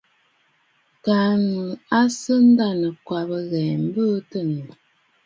Kaa ŋù à sɨ a ndanɨ̀kwabə̀ ghɛ̀ɛ̀ m̀bɨɨ tɨ ànnù.